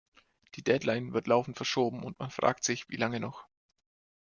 Die deadline wird laufend verschoben, und man fragt sich, wie lange noch.